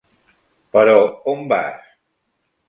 Però on vas?